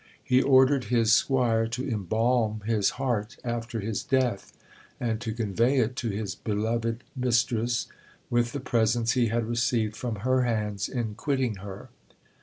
He ordered his squire to embalm his heart after his death, and to convey it to his beloved mistress, with the presents he had received from her hands in quitting her.